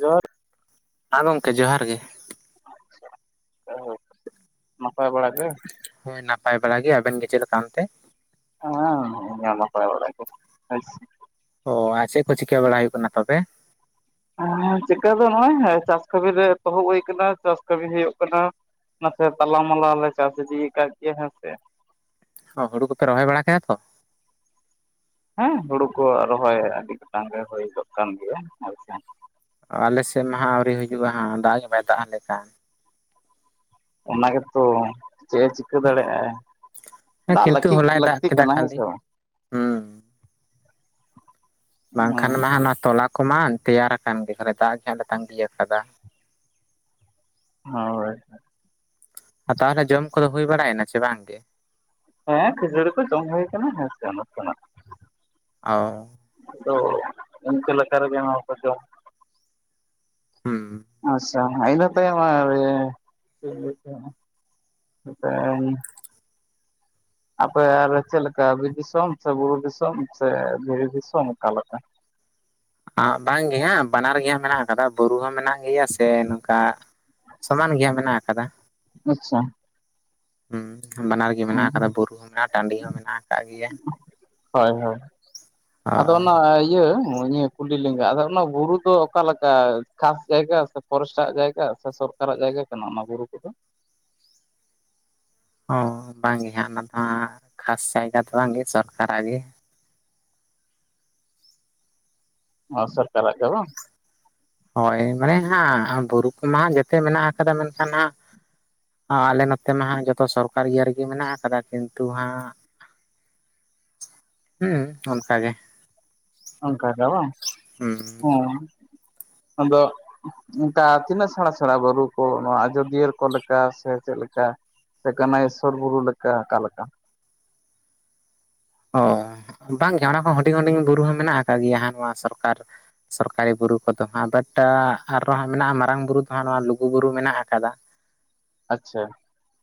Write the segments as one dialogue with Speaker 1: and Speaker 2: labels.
Speaker 1: ᱡᱚᱦᱟᱨ
Speaker 2: ᱦᱟᱸ ᱜᱚᱢᱠᱮ ᱡᱚᱦᱟᱨ ᱜᱮ
Speaker 1: [unintelligible] ᱱᱟᱯᱟᱭ ᱵᱟᱲᱟ ᱜᱮ?
Speaker 2: ᱦᱳᱭ ᱱᱟᱯᱟᱭ ᱵᱟᱲᱟ ᱜᱮ ᱟᱵᱮᱱ ᱜᱮ ᱪᱮᱫ ᱞᱮᱠᱟ ᱚᱱᱛᱮ?
Speaker 1: ᱦᱮᱸ ᱤᱧ ᱦᱚᱸ ᱱᱟᱯᱟᱭ ᱵᱟᱲᱟ ᱜᱮ
Speaker 2: ᱚ ᱟᱨ ᱪᱮ ᱠᱚ ᱪᱤᱠᱟᱹ ᱵᱟᱲᱟ ᱦᱩᱭᱩᱜ ᱠᱟᱱᱟ ᱛᱚᱵᱮ?
Speaker 1: ᱦᱮ ᱪᱤᱠᱟᱹ ᱫᱚ ᱱᱚᱜ-ᱚᱭ ᱪᱟᱥ ᱠᱟᱹᱢᱤ ᱨᱮ ᱮᱛᱚᱦᱚᱵ ᱦᱩᱭ ᱟᱠᱟᱱᱟ ᱪᱟᱥ ᱠᱟᱹᱢᱤ ᱦᱩᱭᱩᱜ ᱠᱟᱱᱟ᱾ ᱱᱟᱥᱮ ᱛᱟᱞᱟ ᱢᱟᱞᱟ ᱞᱮ ᱪᱟᱥ ᱤᱫᱤ ᱠᱟᱜ ᱜᱮᱭᱟ ᱦᱮᱸᱥᱮ
Speaker 2: ᱦᱳᱲᱳ ᱠᱚᱯᱮ ᱨᱚᱦᱚᱭ ᱵᱟᱲᱟ ᱠᱮᱜ - ᱟ ᱛᱚ?
Speaker 1: ᱦᱮᱸ ᱦᱩᱲᱩ ᱠᱚ ᱨᱚᱦᱚᱭ ᱟᱹᱰᱤ ᱜᱚᱴᱟᱝ ᱜᱮ ᱦᱳᱭ ᱜᱚᱜ ᱠᱟᱱ ᱜᱮᱭᱟ
Speaker 2: ᱚ ᱟᱞᱮᱥᱮᱜ ᱢᱟ ᱦᱟᱸᱜ ᱟᱹᱣᱨᱤ ᱦᱤᱡᱩᱜᱼᱟ ᱦᱟᱸᱜ ᱫᱟᱜ ᱜᱮ ᱵᱟᱭ ᱫᱟᱜ ᱟ ᱞᱮᱠᱷᱟᱱ
Speaker 1: ᱚᱱᱟ ᱜᱮᱛᱚ ᱪᱮᱼᱼ ᱴᱷᱤᱠᱟᱹ ᱫᱟᱲᱮᱭᱟᱜ ᱟᱭ
Speaker 2: ᱦᱮᱸ
Speaker 1: ᱫᱟᱜ
Speaker 2: ᱠᱤᱱᱛᱩ
Speaker 1: ᱞᱟᱹᱠᱤᱛ
Speaker 2: ᱦᱚᱞᱟᱭ ᱫᱟᱜ
Speaker 1: ᱞᱟᱹᱠᱛᱤ
Speaker 2: ᱠᱮᱫᱟ
Speaker 1: ᱠᱟᱱᱟ ᱦᱮᱸ
Speaker 2: ᱠᱷᱟᱹᱞᱤ
Speaker 1: ᱥᱮ ᱵᱟᱝ?
Speaker 2: ᱦᱩᱸ ᱵᱟᱝᱠᱷᱟᱱ
Speaker 1: ᱦᱮᱸ
Speaker 2: ᱢᱟ ᱱᱚᱣᱟ ᱛᱚᱞᱟ ᱠᱚᱢᱟ ᱛᱮᱭᱟᱨᱟ ᱟᱠᱟᱱ ᱜᱮ ᱫᱟᱜ ᱜᱮᱦ ᱞᱮ ᱛᱟᱸᱜᱤ ᱟᱠᱟᱫᱟ᱾
Speaker 1: ᱦᱚᱭ
Speaker 2: ᱛᱟᱦᱚᱞᱮ ᱡᱚᱢ ᱠᱚᱫᱚ ᱦᱩᱭ ᱵᱟᱲᱟᱭᱮᱱᱟ ᱪᱮ ᱵᱟᱝᱜᱮ?
Speaker 1: ᱦᱮᱸ ᱠᱷᱪᱟᱹᱤ ᱠᱚ ᱡᱚᱢ ᱦᱩᱭ ᱠᱟᱱᱟ ᱦᱮᱸ ᱥᱮᱱᱚᱜ ᱥᱮᱚᱜᱼᱼ
Speaker 2: ᱟᱳ
Speaker 1: ᱛᱚ ᱚᱱᱠᱟ ᱞᱮᱠᱟᱨᱮ [unintelligible]
Speaker 2: ᱦᱩᱸ
Speaker 1: ᱟᱪᱪᱷᱟ ᱤᱱᱟᱹ ᱛᱟᱭᱚᱢ ᱟᱨ ᱤᱭᱟᱹ ᱫᱟᱹᱦᱤ ᱟᱯᱮ ᱟᱨ ᱪᱮᱜ ᱞᱮᱠᱟ? ᱵᱤᱨ ᱫᱤᱥᱚᱢ ᱥᱮ ᱵᱩᱨᱩ ᱫᱤᱥᱚᱢ ᱥᱮ ᱫᱷᱤᱨᱤ ᱫᱤᱥᱚᱢ ᱚᱠᱟᱞᱠᱟ?
Speaker 2: ᱵᱟᱝᱜᱮ ᱦᱟᱸ ᱵᱟᱱᱟᱨ ᱜᱮ ᱦᱟᱸᱜ ᱢᱮᱱᱟᱜ ᱠᱟᱫᱟ ᱵᱩᱨᱩ ᱦᱚᱸ ᱢᱮᱱᱟᱜ ᱜᱮᱭᱟ ᱥᱮ ᱱᱚᱝᱠᱟ ᱥᱚᱢᱟᱱ ᱜᱮ ᱦᱟᱸᱜ ᱢᱮᱱᱟᱜ ᱠᱟᱫᱟ᱾
Speaker 1: ᱟᱪᱪᱷᱟ
Speaker 2: ᱦᱩᱸ ᱵᱟᱱᱟᱨ ᱜᱮ ᱢᱮᱱᱟᱜ ᱟᱠᱟᱫᱟ ᱵᱩᱨᱩ ᱦᱚᱸ ᱢᱮᱱᱟᱜᱼᱟ ᱴᱟᱺᱰᱤ ᱦᱚᱸ ᱢᱮᱱᱟᱜ ᱟᱠᱟᱜ ᱜᱮᱭᱟ᱾
Speaker 1: ᱦᱚ ᱟᱫᱚᱱᱼᱼ
Speaker 2: ᱦᱳᱭ
Speaker 1: ᱟᱹ ᱤᱭᱟᱹ ᱱᱤᱭᱟᱹ ᱠᱩᱞᱤ ᱞᱮᱸᱜᱟ ᱟᱫᱚ ᱚᱱᱟ ᱵᱩᱨᱩ ᱫᱚ ᱚᱠᱟᱞᱮᱠᱟ ᱠᱷᱟᱥ ᱡᱟᱭᱜᱟ ᱥᱮ ᱯᱷᱚᱨᱮᱥᱴᱟᱜ ᱡᱟᱭᱜᱟ ᱥᱮ ᱥᱚᱨᱟᱨᱼᱼ ᱠᱟᱨ-ᱟᱜ ᱡᱟᱭᱜᱟ ᱠᱟᱱᱟ ᱚᱱᱟ ᱵᱩᱨᱩ ᱠᱚᱫᱚ?
Speaker 2: ᱚ ᱵᱟᱝ ᱜᱮ ᱦᱟᱸᱜ ᱱᱟᱦᱟ ᱠᱷᱟᱥ ᱡᱟᱭᱜᱟ ᱫᱚ ᱵᱟᱝᱜᱮ ᱥᱚᱨᱠᱟᱨᱟᱜ ᱜᱮ ᱾
Speaker 1: ᱚ ᱥᱚᱨᱠᱟᱨ-ᱟᱜ ᱜᱮ ᱵᱟᱝ?
Speaker 2: ᱦᱳᱭ ᱢᱮᱦᱟ ᱦᱟᱸ ᱵᱩᱨᱩ ᱠᱚᱢᱟ ᱡᱮᱛᱮ ᱢᱮᱱᱟᱜ ᱠᱟᱫᱟ ᱢᱮᱱᱠᱷᱟᱱ ᱦᱟᱸᱜ ᱟᱞᱮ ᱱᱚᱛᱮ ᱢᱟ ᱦᱟᱸᱜ ᱡᱚᱛᱚ ᱥᱚᱨᱠᱟᱨ ᱤᱭᱟᱹ ᱨᱮᱜᱮ ᱢᱮᱱᱟᱜ ᱟᱠᱟᱫᱟ ᱠᱤᱱᱛᱩ ᱦᱟᱸᱜ, ᱦᱩᱸ ᱚᱱᱠᱟᱜᱮ ᱾
Speaker 1: ᱚᱱᱠᱟ ᱜᱮ ᱟᱫᱚ ᱦᱩᱸ ᱟᱫᱚ ᱚᱱᱠᱟ ᱛᱤᱱᱟᱹᱜ ᱥᱮᱬᱟ ᱥᱮᱬᱟ ᱵᱩᱨᱩ ᱠᱩ ᱱᱚᱣᱟ ᱟᱡᱚᱫᱤᱭᱟᱹ ᱠᱚ ᱞᱮᱠᱟ ᱥᱮ ᱪᱮᱫ ᱞᱮᱠᱟ‌? ᱥᱮ ᱠᱟᱱᱟᱭ ᱤᱥᱥᱚᱨ ᱵᱩᱨᱩ ᱞᱮᱠᱟ ᱚᱠᱟ ᱞᱮᱠᱟ?
Speaker 2: ᱚ ᱵᱟᱝᱜᱮ ᱚᱱᱟ ᱦᱚᱸ ᱦᱩᱰᱤᱝ ᱦᱩᱰᱤᱝ ᱵᱩᱨᱩ ᱦᱚᱸ ᱢᱮᱱᱟᱜ ᱟᱠᱟᱜ ᱜᱮᱭᱟ ᱦᱟᱸᱜ ᱱᱚᱣᱟ ᱥᱚᱨᱠᱟᱨ ᱥᱚᱨᱠᱟᱨᱤ ᱵᱩᱨᱩ ᱠᱚᱫᱚ ᱦᱟᱸᱜ ᱵᱟᱴ ᱟᱨᱚᱸ ᱦᱟᱸᱜ ᱢᱮᱱᱟᱜᱼᱟ ᱢᱟᱨᱟᱝ ᱵᱩᱨᱩ ᱫᱚ ᱦᱟᱸᱜ ᱱᱚᱣᱟ ᱞᱩᱜᱩᱵᱩᱨᱩ ᱢᱮᱱᱟᱜ ᱟᱠᱟᱫᱟ ᱾
Speaker 1: ᱟᱪᱪᱷᱟ ᱾